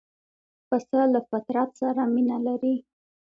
پسه له فطرت سره مینه لري.